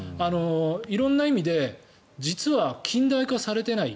色んな意味で実は近代化されていない。